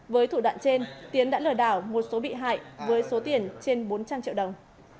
với thủ đoạn trên tiến đã lừa đảo một số bị hại với số tiền trên bốn trăm linh triệu đồng